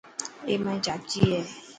اي مائي چاچي هي.